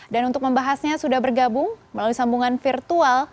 dan untuk membahasnya sudah bergabung melalui sambungan virtual